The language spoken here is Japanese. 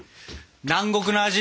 南国の味